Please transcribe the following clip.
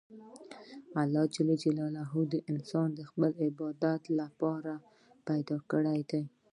الله جل جلاله انسان د خپل عبادت له پاره پیدا کړى دئ.